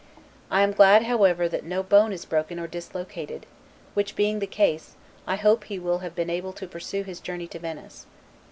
I am glad, however, that no bone is broken or dislocated; which being the case, I hope he will have been able to pursue his journey to Venice.